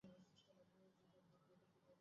এবার আপনি তাকে ঠিক খুঁজে পাবেন।